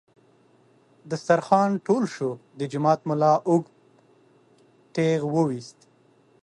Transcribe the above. دسترخوان ټول شو، د جومات ملا اوږد ټېغ ویست.